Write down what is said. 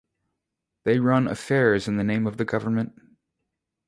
They run affairs in the name of the Government.